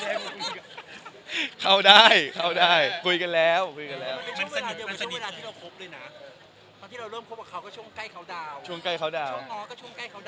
เออกรียดรูปที่ใช้ครูแฟลัง